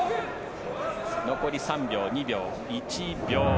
残り３秒、２秒、１秒。